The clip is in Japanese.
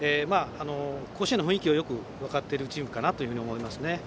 甲子園の雰囲気をよく分かっているチームかなと思いますね。